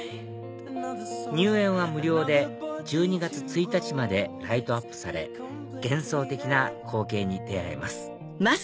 入園は無料で１２月１日までライトアップされ幻想的な光景に出会えます